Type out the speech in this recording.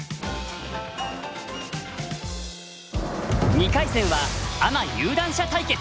２回戦はアマ有段者対決。